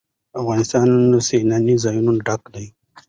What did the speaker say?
افغانستان له سیلانی ځایونه ډک دی.